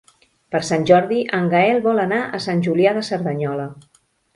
Per Sant Jordi en Gaël vol anar a Sant Julià de Cerdanyola.